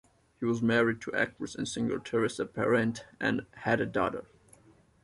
He was married to actress and singer Teresa Parente and had a daughter.